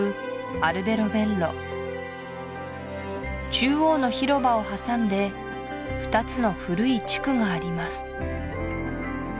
アルベロベッロ中央の広場を挟んで２つの古い地区があります